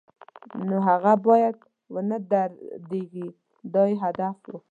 نو هغه باید و نه دردېږي دا یې هدف و.